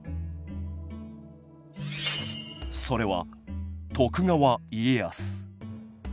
それは徳川家康。